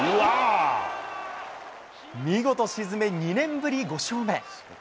見事沈め、２年ぶり５勝目。